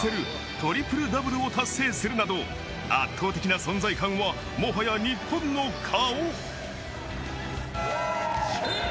トリプルダブルを達成するなど、圧倒的な存在感はもはや日本の顔。